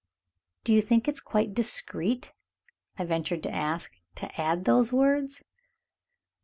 "Do you think it quite discreet," I ventured to ask, "to add those words?"